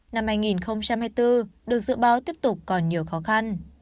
năm hai nghìn hai mươi bốn được dự báo tiếp tục còn nhiều khó khăn